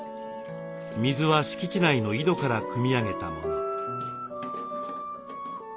水は敷地内の井戸からくみ上げたもの。